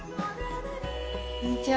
こんにちは。